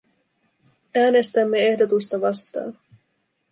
Äänestämme ehdotusta vastaan.